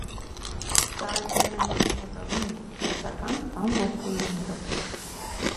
Ծաղիկները մանուշակագույն են՝ մեկական կամ ողկույզներով։